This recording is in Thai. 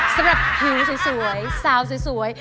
สำหรับผิวสวยสาวสวย